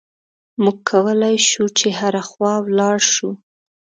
موږ کولای شو چې هره خوا ولاړ شو.